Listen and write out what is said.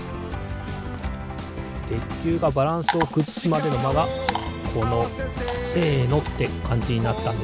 てっきゅうがバランスをくずすまでのまがこの「せの！」ってかんじになったんですね。